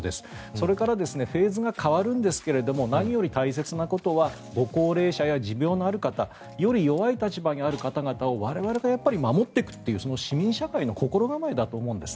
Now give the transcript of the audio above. それからフェーズが変わるんですが何より大切なことはご高齢者や持病のある方より弱い立場にある方を我々がやっぱり守っていくという市民社会の心構えだと思うんです。